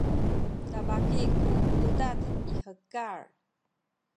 tabaki ku udad i hekal